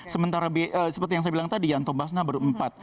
sementara seperti yang saya bilang tadi yanto basna baru empat